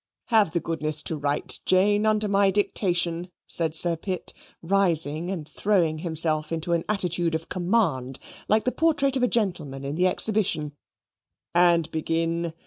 "Have the goodness to write, Jane, under my dictation," said Sir Pitt, rising and throwing himself into an attitude of command, like the portrait of a Gentleman in the Exhibition, "and begin.